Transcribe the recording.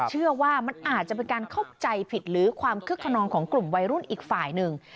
เชื่อว่ามันอาจจะเป็นการเข้าใจผิดหรือความคึกขนองของกลุ่มวัยรุ่นอีกฝ่ายหนึ่ง